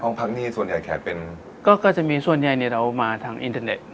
พักนี้ส่วนใหญ่แขกเป็นก็ก็จะมีส่วนใหญ่เนี่ยเรามาทางอินเทอร์เน็ต